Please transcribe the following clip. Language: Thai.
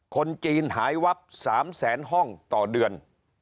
คนจีนหายวับ๓แสนห้องต่อเดือน